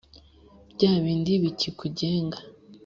bya bindi bikikugenga